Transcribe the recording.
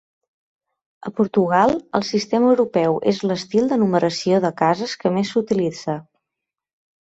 A Portugal, el sistema europeu és l'estil de numeració de cases que més s'utilitza.